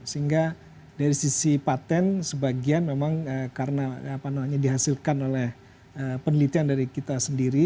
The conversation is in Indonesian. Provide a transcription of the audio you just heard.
sehingga dari sisi patent sebagian memang karena dihasilkan oleh penelitian dari kita sendiri